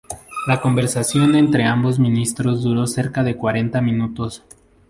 La conversación entre ambos ministros duró cerca de cuarenta minutos.